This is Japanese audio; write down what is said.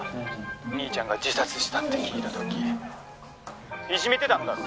兄ちゃんが自殺したって聞いた時」「いじめてたんだろ？